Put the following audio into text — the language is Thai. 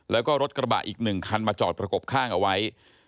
แล้วก็รถกระบะอีก๑คันมาจอดประกบข้างเอาไว้